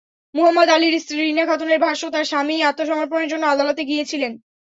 মুহম্মদ আলীর স্ত্রী রিনা খাতুনের ভাষ্য, তাঁর স্বামী আত্মসমর্পণের জন্য আদালতে গিয়েছিলেন।